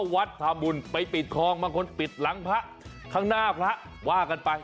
วัดทำบุญไปปิดคลองบางคนปิดหลังพระข้างหน้าพระว่ากันไป